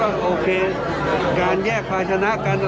เราก็เห็นว่ามันมาจากไหนกว่านี้